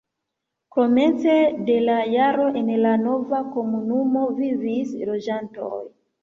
Komence de la jaro en la nova komunumo vivis loĝantoj.